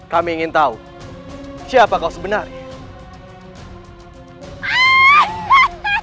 kami ingin tahu siapa kok sebenarnya